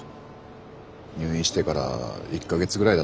入院してから１か月ぐらいだったかな。